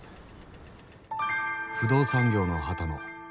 不動産業の波多野。